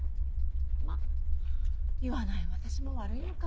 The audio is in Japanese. まっ言わない私も悪いのか。